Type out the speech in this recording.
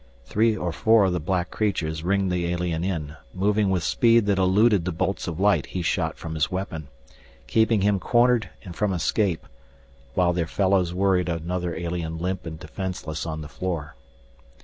Three or four of the black creatures ringed the alien in, moving with speed that eluded the bolts of light he shot from his weapon, keeping him cornered and from escape, while their fellows worried another alien limp and defenseless on the floor.